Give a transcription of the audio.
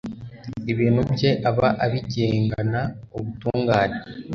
ibintu bye aba abigengana ubutungane